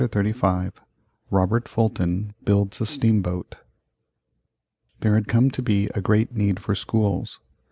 CHAPTER XXXV ROBERT FULTON BUILDS a STEAM BOAT There had come to be a great need for schools.